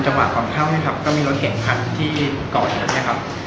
ก่อนเข้าเนี่ยครับก็มีรถเก่งคันที่ก่อเหตุเนี่ยครับ